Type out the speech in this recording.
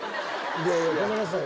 いやいやごめんなさい。